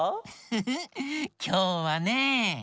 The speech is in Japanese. フフッきょうはね。